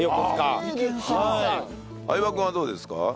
相葉君はどうですか？